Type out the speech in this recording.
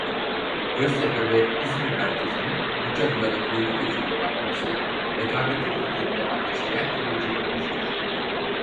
Göztepe ve İzmir merkezinin Bucalılara köylü gözüyle bakması rekabetin fitilini ateşleyen kıvılcım olmuştur.